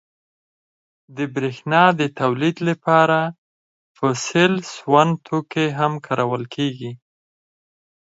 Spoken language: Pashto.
• د برېښنا د تولید لپاره فوسیل سون توکي هم کارول کېږي.